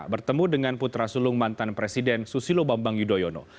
bertemu dengan putra sulung mantan presiden susilo bambang yudhoyono